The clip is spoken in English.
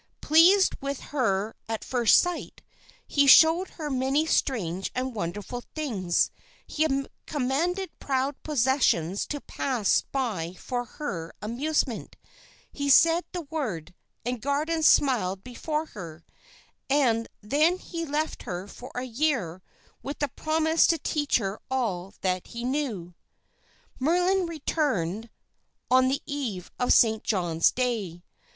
Pleased with her at first sight, he showed her many strange and wonderful things; he commanded proud processions to pass by for her amusement; he said the word, and gardens smiled before her; and then he left her for a year with the promise to teach her all that he knew. "Merlin returned on the eve of Saint John's Day.